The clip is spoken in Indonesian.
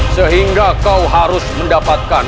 sehingga kau harus mendapatkan